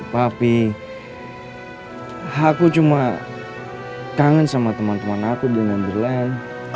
tapi aku cuma kangen sama teman teman aku di numberland